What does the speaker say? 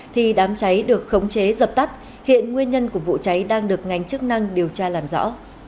thì đám cháy được khống chế dập tắt hiện nguyên nhân của vụ cháy đang được ngành chức năng điều tra làm rõ